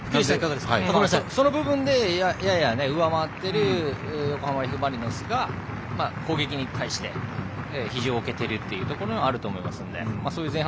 その部分ではやや上回っているＦ・マリノスが攻撃に対しても比重をおけているというのがあると思います。